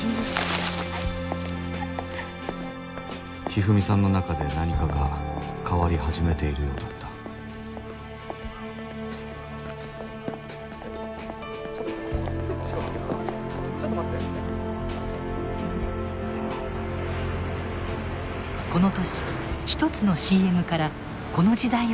ひふみさんの中で何かが変わり始めているようだったこの年一つのＣＭからこの時代を象徴する流行語が生まれた。